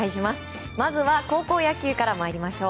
まずは高校野球から参りましょう。